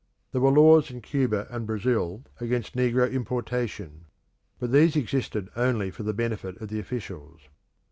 There were laws in Cuba and Brazil against negro importation, but these existed only for the benefit of the officials.